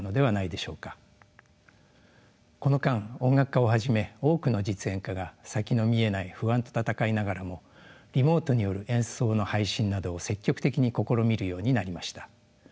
この間音楽家をはじめ多くの実演家が先の見えない不安と闘いながらもリモートによる演奏の配信などを積極的に試みるようになりました。